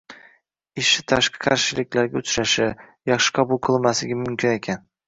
Ishi tashqi qarshiliklarga uchrashishi, yaxshi qabul qilinmasligi mumkin ekan.